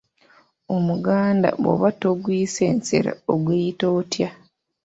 Omuganda bw'oba toguyise nsero oguyita otya?